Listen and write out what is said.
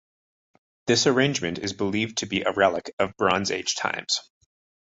This arrangement is believed to be a relic of Bronze Age times.